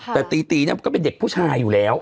แต่ตีตีเนี่ยก็เป็นเด็กผู้ชายอยู่แล้ว